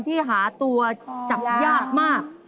ที่หาตัวจับยากมาก